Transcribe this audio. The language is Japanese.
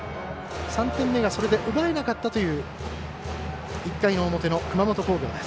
３点目がそれで奪えなかったという１回の表の熊本工業です。